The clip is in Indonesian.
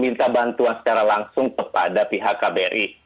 minta bantuan secara langsung kepada pihak kbri